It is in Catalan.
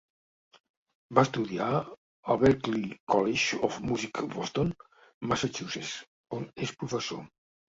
Va estudiar al Berklee College of Music de Boston, Massachusetts, on és professor.